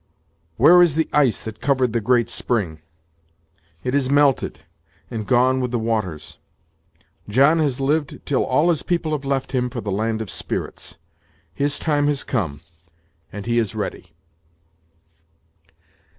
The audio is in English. "Where is the ice that covered the great spring? It is melted, and gone with the waters. John has lived till all his people have left him for the land of spirits; his time has come, and he is ready."